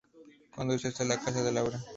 Conduce hasta la casa de Laura.